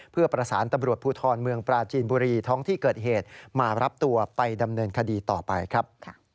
เพื่อประสานตำรวจภูทรเมืองปราจีนบุรีท้องที่เกิดเหตุมารับตัวไปดำเนินคดีต่อไปครับ